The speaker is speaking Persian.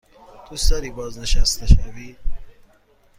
دوست داری بازنشسته شوی؟